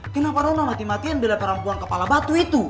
kenapa rona mati matian beda perempuan kepala batu itu